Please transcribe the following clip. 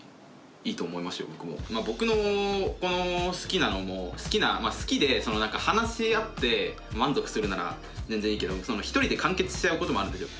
僕のこの好きなのも好きで話し合って満足するなら全然いいけど一人で完結しちゃうこともあるんですよ。